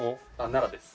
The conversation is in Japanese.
奈良です。